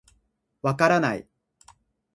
分からない。